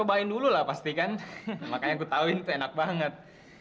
suka sama kamu tuh sat